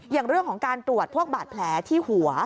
อย่างเรื่องของการตรวจพวกบาดแผลที่หัว